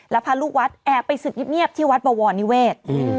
แล้วพระลูกวัดแอบไปศึกเงียบที่วัดบวรนิเวศ